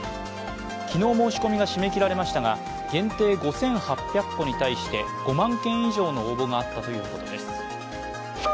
昨日、申し込みが締め切られましたが限定５８００個に対して５万件以上の応募があったということです。